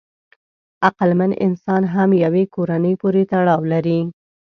عقلمن انسان هم یوې کورنۍ پورې تړاو لري.